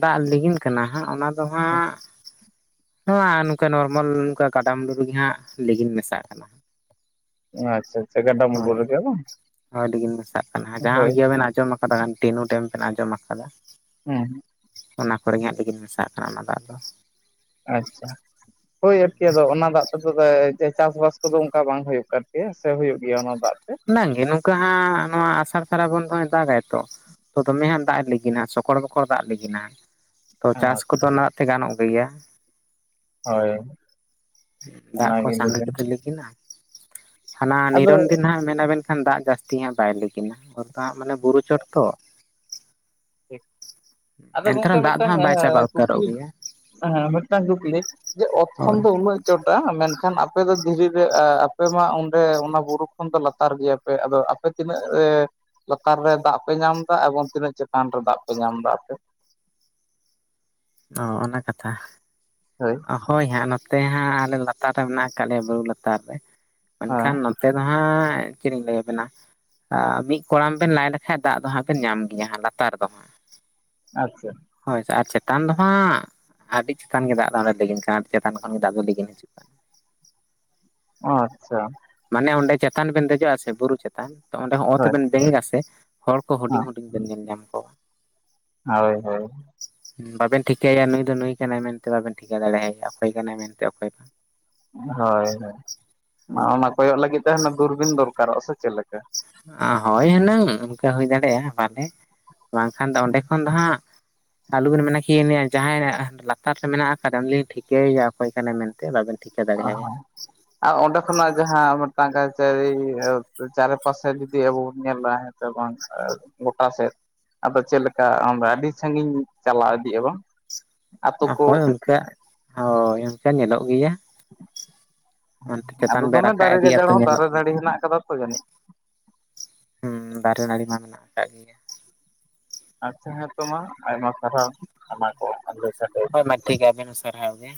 Speaker 2: ᱫᱟᱜ ᱞᱤᱜᱤᱱ ᱠᱟᱱᱟ ᱦᱟᱸᱜ ᱚᱱᱟ ᱫᱚ ᱦᱟᱸᱜ, ᱱᱚᱣᱟ ᱱᱚᱝᱠᱟ ᱱᱚᱨᱢᱟᱞ ᱱᱚᱝᱠᱟ ᱠᱟᱰᱟ ᱢᱩᱰᱩ ᱨᱤᱜᱤ ᱦᱟᱸᱜ ᱞᱮᱜᱤᱱ ᱢᱮᱥᱟᱜ ᱠᱟᱱᱟ᱾
Speaker 1: ᱟᱪᱪᱷᱟ ᱟᱪᱷᱟ ᱜᱟᱰᱟ ᱢᱩᱰᱩ ᱨᱮᱜᱮ ᱵᱟᱝ?
Speaker 2: ᱟᱹᱰᱤᱜᱤᱱ ᱢᱮᱥᱟᱜ ᱠᱟᱱᱟ ᱡᱟᱦᱟᱸ
Speaker 1: ᱦᱳᱭ
Speaker 2: ᱜᱤᱭᱟᱹ ᱵᱮᱱ ᱟᱸᱡᱚᱢ ᱠᱟᱫᱟ ᱰᱤᱱᱩ ᱰᱮᱢ ᱵᱮᱱ ᱟᱸᱡᱚᱢ ᱟᱠᱟᱫᱟ᱾
Speaker 1: ᱦᱩᱸ,
Speaker 2: ᱚᱱᱟ ᱠᱚᱨᱮ ᱦᱟᱸᱜ ᱞᱤᱹᱜᱤᱱ ᱢᱮᱥᱟᱜ ᱠᱟᱱᱟ ᱚᱱᱟ ᱫᱟᱜ ᱫᱚ᱾
Speaker 1: ᱟᱪᱪᱷᱟ ᱦᱳᱭ ᱟᱨᱠᱤ ᱟᱫᱚ ᱚᱱᱟ ᱫᱟᱜ, [unintelligible] ᱡᱮ ᱪᱮᱫ ᱪᱟᱥᱵᱟᱥ ᱠᱚᱫᱚ ᱚᱱᱠᱟ ᱵᱟᱝ ᱦᱩᱭᱩᱜ ᱠᱟᱱ ᱠᱮᱭᱟ ᱥᱮ ᱦᱩᱭᱩᱜ ᱜᱮᱭᱟ ᱚᱱᱟ ᱫᱟᱜ ᱛᱮ?
Speaker 2: ᱵᱟᱝᱜᱮ ᱱᱚᱝᱠᱟ ᱦᱟᱸᱜ ᱱᱚᱣᱟ ᱟᱥᱟᱲ ᱥᱟᱨᱟᱵᱚᱱ ᱫᱚᱭ ᱫᱟᱜᱟᱭ ᱛᱚ᱾ ᱛᱚ ᱫᱚᱢᱮ ᱦᱟᱱ ᱫᱟᱜ ᱮ ᱞᱤᱜᱤᱱᱟ ᱥᱚᱠᱚᱲ ᱵᱚᱠᱚᱲ ᱫᱟᱜ ᱞᱤᱜᱤᱱᱟ ᱦᱟᱸᱜ ᱛᱚ ᱪᱟᱥ ᱠᱚᱫᱚ ᱚᱱᱟ ᱫᱟᱜ ᱛᱮ ᱜᱟᱱᱚᱜ ᱜᱮᱭᱟ᱾
Speaker 1: ᱦᱳᱭ᱾
Speaker 2: ᱫᱟᱜ ᱠᱚ
Speaker 1: ᱚᱱᱟᱜᱤᱧ
Speaker 2: ᱥᱟᱜᱮ
Speaker 1: ᱞᱟᱹᱭᱫᱟ
Speaker 2: ᱜᱮᱛᱚ ᱞᱟᱹᱜᱤᱱᱟ᱾ ᱦᱟᱱᱟ
Speaker 1: ᱟᱫᱚ
Speaker 2: ᱱᱤᱨᱚᱱ ᱫᱤᱱ ᱦᱟᱸᱜ ᱢᱮᱱᱟ ᱵᱮᱱ ᱠᱷᱟᱱ ᱫᱟᱜ ᱡᱟᱹᱥ ᱛᱤ ᱦᱟᱸᱜ ᱵᱟᱭ ᱞᱤᱹᱜᱤᱱᱟ᱾ ᱟᱫᱚ ᱦᱟᱸᱜ ᱢᱟᱱᱮ ᱵᱩᱨᱩ ᱪᱚᱴ ᱛᱚ᱾
Speaker 1: ᱟᱫᱚ
Speaker 2: ᱮᱱᱛᱮ
Speaker 1: ᱜᱚᱝᱠᱮ
Speaker 2: ᱨᱮᱦᱚᱸ ᱫᱟᱜ ᱫᱚ
Speaker 1: ᱢᱤᱫᱴᱟᱝ
Speaker 2: ᱦᱟᱸᱜ
Speaker 1: ᱟ
Speaker 2: ᱵᱟᱭ ᱪᱟᱵᱟ ᱩᱛᱟᱹᱨᱚᱜ
Speaker 1: ᱠᱩᱠᱞᱤ
Speaker 2: ᱜᱮᱭᱟ
Speaker 1: ᱦᱮᱸ ᱢᱤᱫᱴᱟᱝ ᱠᱩᱠᱞᱤ ᱡᱮ ᱚᱛ ᱠᱷᱚᱱ
Speaker 2: ᱦᱳᱭ
Speaker 1: ᱫᱚ ᱩᱱᱟᱹᱜ ᱪᱚᱴᱟ ᱢᱮᱱᱠᱷᱟᱱ ᱟᱯᱮ ᱫᱚ ᱫᱷᱤᱨᱤ ᱨᱮ, ᱟ ᱟᱯᱮ ᱢᱟ ᱚᱸᱰᱮ ᱚᱱᱟ ᱵᱩᱨᱩ ᱠᱷᱚᱱ ᱫᱚ ᱞᱟᱛᱟᱨ ᱜᱮᱭᱟ ᱯᱮ ᱟᱫᱚ ᱟᱯᱮ ᱛᱤᱱᱟᱹᱜ ᱮ ᱞᱟᱛᱟᱨ ᱨᱮ ᱫᱟᱜ ᱯᱮ ᱧᱟᱢ ᱮᱫᱟ ᱮᱵᱚᱝ ᱛᱤᱱᱟᱹᱜ ᱪᱮ ᱛᱟᱱ ᱨᱮ ᱫᱟᱜ ᱯᱮ ᱧᱟᱢ ᱫᱟ ᱟᱯᱮ?
Speaker 2: ᱚ ᱚᱱᱟ ᱠᱟᱛᱷᱟ᱾
Speaker 1: ᱦᱳᱭ᱾
Speaker 2: ᱦᱳᱭ ᱦᱟᱸᱜ ᱱᱚᱛᱮ ᱦᱟᱸᱜ ᱟᱞᱮ ᱫᱚ ᱞᱟᱛᱟᱨ ᱨᱮ ᱢᱮᱱᱟᱜ ᱟᱠᱟᱫ ᱞᱮᱭᱟ ᱵᱩᱨᱩ ᱞᱟᱛᱟᱨ ᱨᱮ,
Speaker 1: ᱦᱮᱸ
Speaker 2: ᱢᱮᱱᱠᱷᱟᱱ ᱮᱛᱮᱫ ᱦᱟᱸᱜ ᱪᱮᱫ ᱤᱧ ᱞᱟᱹᱭᱟᱵᱮᱱᱟ? ᱟ ᱢᱤᱫ ᱠᱚᱲᱟᱢ ᱵᱮᱱ ᱞᱟᱭ ᱞᱮᱠᱷᱟᱡ ᱫᱟᱜ ᱫᱚ ᱦᱟᱸᱜ ᱵᱮᱱ ᱧᱟᱢ ᱜᱮᱭᱟ ᱦᱟᱸᱜ ᱞᱟᱛᱟᱨ ᱫᱚ ᱦᱟᱸᱜ᱾
Speaker 1: ᱟᱪᱪᱷᱟ᱾
Speaker 2: ᱦᱳᱭᱥᱮ ᱟᱨ ᱪᱮᱛᱟᱱ ᱫᱚ ᱦᱟᱸᱜ ᱟᱹᱰᱤ ᱪᱮᱛᱟᱱ ᱜᱮ ᱫᱟᱜ ᱫᱚ ᱚᱸᱰᱮ ᱞᱤᱜᱤᱱ ᱠᱟᱱᱟ ᱛᱚ ᱪᱮᱛᱟᱱ ᱠᱷᱚᱱ ᱜᱮ ᱫᱟᱜ ᱫᱚ ᱞᱤᱜᱤᱱ ᱦᱤᱡᱩᱜ ᱠᱟᱱᱟ᱾
Speaker 1: ᱚ ᱟᱪᱪᱷᱟ᱾
Speaker 2: ᱢᱟᱱᱮ ᱚᱸᱰᱮ ᱪᱮᱛᱟᱱ ᱵᱮᱱ ᱫᱮᱡᱚᱜ-ᱟ ᱥᱮ ᱵᱩᱨᱩ ᱪᱮᱛᱟᱱ ᱛᱚ ᱚᱸᱰᱮ ᱦᱚᱸ ᱚᱛ
Speaker 1: ᱦᱳᱭ ᱦᱮᱸ
Speaker 2: ᱵᱮᱱ ᱵᱮᱸᱜᱮᱜᱟ ᱥᱮ ᱦᱚᱲ ᱠᱚ ᱦᱩᱰᱤᱧ ᱦᱩᱰᱤᱧ ᱵᱮᱱ ᱧᱮᱞ ᱧᱟᱢ ᱠᱚᱣᱟ᱾
Speaker 1: ᱦᱳᱭ ᱦᱳᱭ᱾
Speaker 2: ᱵᱟᱵᱮᱱ ᱴᱷᱤᱠᱟᱹᱭᱟ ᱱᱩᱭ ᱫᱚ ᱱᱩᱭ ᱠᱟᱱᱟᱭ ᱢᱮᱱᱛᱮ ᱵᱟᱵᱮᱱ ᱴᱷᱤᱠᱟᱹ ᱫᱟᱲᱮᱦᱟᱭᱟ ᱚᱠᱚᱭ ᱠᱟᱱᱟᱭ ᱢᱮᱱᱛᱮ ᱚᱠᱚᱭ ᱵᱟᱝ᱾
Speaker 1: ᱦᱳᱭ ᱦᱳᱭ ᱚᱱᱟ ᱢᱟ ᱠᱚᱭᱚᱜ ᱞᱟᱹᱜᱤᱫ ᱛᱮ ᱦᱟᱱᱮ ᱫᱩᱨᱵᱤᱱ ᱫᱚᱨᱠᱟᱨᱚᱜᱼᱟ ᱥᱮ ᱪᱮᱫ ᱞᱮᱠᱟ?
Speaker 2: ᱚ ᱦᱳᱭ ᱦᱩᱱᱟᱹᱝ, ᱚᱱᱠᱟ ᱦᱩᱭ ᱫᱟᱲᱮᱭᱟᱜᱼᱟ ᱵᱟᱞᱮ᱾ ᱵᱟᱝᱠᱷᱟᱱ ᱫᱚ ᱚᱸᱰᱮ ᱠᱷᱚᱱ ᱫᱚ ᱦᱟᱸᱜ ᱟᱞᱚᱵᱮᱱ ᱢᱮᱱᱟ ᱠᱤ ᱡᱟᱦᱟᱸ ᱦᱟᱰᱮᱸ ᱞᱟᱛᱟᱨ ᱨᱮ ᱢᱮᱱᱟᱜ ᱟᱠᱟᱫᱮ ᱩᱱᱤᱢ ᱞᱟᱹᱭ ᱴᱷᱤᱠᱟᱹᱭᱭᱟ ᱚᱠᱚᱭ ᱠᱟᱱᱟᱭ ᱢᱮᱱᱛᱮ ᱵᱟᱵᱮᱱ ᱴᱷᱤᱠᱟᱹ
Speaker 1: ᱚ
Speaker 2: ᱫᱟᱲᱮᱭᱟᱭᱟ
Speaker 1: ᱦᱳᱭ᱾ ᱟ ᱚᱸᱰᱮ ᱠᱷᱚᱱᱟᱜ ᱡᱟᱦᱟᱸ ᱢᱤᱫᱴᱟᱝ ᱠᱟᱹᱪᱟᱹᱨᱤ ᱪᱟᱨᱮ ᱯᱟᱥᱮ ᱡᱩᱫᱤ ᱟᱵᱚ ᱵᱚᱱ ᱧᱮᱞᱟ ᱦᱮᱸ [unintelligible] ᱜᱚᱴᱟ ᱥᱮᱫ᱾ ᱟᱫᱚ ᱪᱮᱫ ᱞᱮᱠᱟ ᱟᱢᱫᱟ ᱟᱹᱰᱤ ᱥᱟᱸᱜᱤᱧ ᱪᱟᱞᱟᱣ ᱤᱫᱤᱜ-ᱟ ᱵᱟᱝ? ᱟᱛᱳ ᱠᱚ
Speaker 2: ᱦᱳᱭ ᱚᱱᱠᱟ, ᱦᱳᱭ ᱚᱱᱠᱟ ᱧᱮᱞᱚᱜ ᱜᱮᱭᱟ᱾ ᱚᱱᱛᱮ
Speaker 1: ᱟᱫᱚ
Speaker 2: ᱪᱮᱛᱟᱱ ᱵᱮᱱ
Speaker 1: ᱫᱚᱢᱮ
Speaker 2: ᱨᱟᱠᱟᱵ
Speaker 1: ᱫᱟᱨᱮ
Speaker 2: ᱤᱫᱤᱜ
Speaker 1: ᱜᱟᱡᱟᱲ
Speaker 2: ᱟᱛᱚ
Speaker 1: ᱦᱚᱸ
Speaker 2: ᱧᱮᱞᱚᱜ
Speaker 1: ᱫᱟᱨᱮ ᱱᱟᱹᱲᱤ
Speaker 2: ᱜᱮᱭᱟ᱾
Speaker 1: ᱦᱮᱱᱟᱜ ᱟᱠᱟᱫᱟ ᱛᱚ ᱡᱟᱹᱱᱤᱡ
Speaker 2: ᱦᱩᱸ ᱫᱟᱨᱮ ᱱᱟᱹᱲᱤ ᱢᱟ ᱢᱮᱱᱟᱜ ᱟᱠᱟᱫ ᱜᱮᱭᱟ᱾
Speaker 1: ᱟᱪᱪᱷᱟ ᱦᱮᱸ ᱛᱚ ᱢᱟ ᱟᱭᱢᱟ ᱥᱟᱨᱦᱟᱣ ᱟᱭᱢᱟ [inaudible]
Speaker 2: ᱦᱳᱭ ᱢᱟ ᱴᱷᱤᱠ ᱜᱮᱭᱟ ᱟᱵᱮᱱ ᱦᱚᱸ ᱥᱟᱨᱦᱟᱣ ᱜᱮ᱾